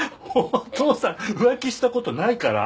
お父さん浮気したことないから。